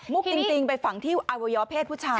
มุกจริงไปฝั่งที่อาวุย้อเพศผู้ชาย